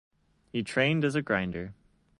He trained as a grinder.